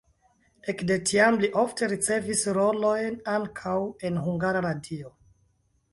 Ekde tiam li ofte ricevis rolojn ankaŭ en Hungara Radio.